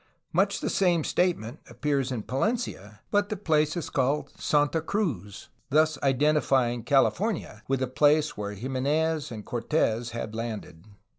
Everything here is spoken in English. Much the same statement appears in Palencia, but the place is called "Santa X," thus identifying California with the place where Jimenez and Cortes had landed.